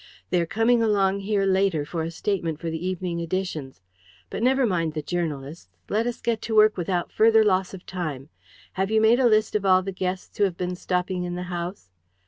They are coming along here later for a statement for the evening editions. But never mind the journalists let us get to work without further loss of time. Have you made a list of all the guests who have been stopping in the house?"